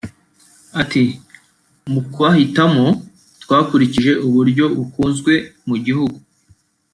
ati “Mu kubahitamo twakurikije uburyo bakunzwe mu gihugu